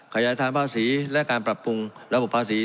ขยายฐานภาษีและการปรับปรุงระบบภาษี